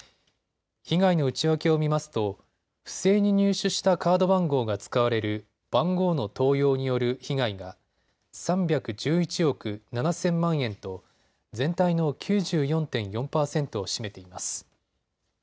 被害の内訳を見ますと不正に入手したカード番号が使われる番号の盗用による被害が３１１億７０００万円と全体の９４．４％を占めています。